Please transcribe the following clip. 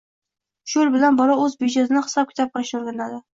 Shu yo‘l bilan bola o‘z byudjetini hisob-kitob qilishni o‘rganadi.